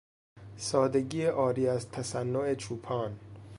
سادگی عاری از تصنع چوپان